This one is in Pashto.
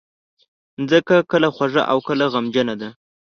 مځکه کله خوږه او کله غمجنه ده.